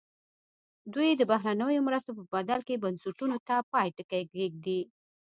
دوی د بهرنیو مرستو په بدل کې بنسټونو ته پای ټکی کېږدي.